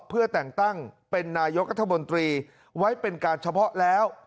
เพื่อแต่งตั้งเป็นนายกัธมนตรีไว้เป็นการเฉพาะแล้ว